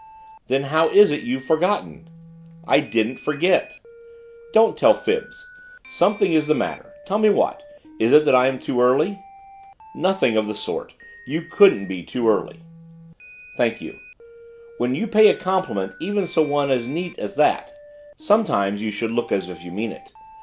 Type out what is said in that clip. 'Then how is it you've forgotten?' 'I didn't forget.' 'Don't tell fibs. Something is the matter, tell me what it is. Is it that I am too early?' 'Nothing of the sort, you couldn't be too early.' 'Thank you. When you pay a compliment, even so neat an one as that, sometimes, you should look as if you meant it.